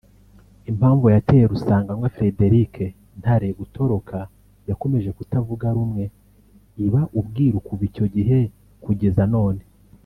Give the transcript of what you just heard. Impamvu yateye Rusanganwa Fredric Ntare gutoroka yakomeje kutavuga rumwe iba ubwiru kuva icyo gihe kugeza none